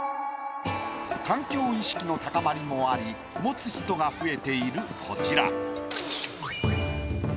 環境意識の高まりもあり持つ人が増えているこちら。